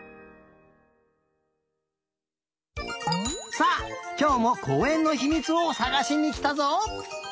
さあきょうもこうえんのひみつをさがしにきたぞ。